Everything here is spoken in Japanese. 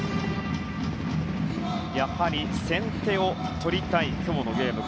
先手を取りたい今日のゲーム。